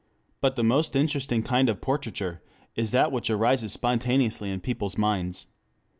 But the most interesting kind of portraiture is that which arises spontaneously in people's minds.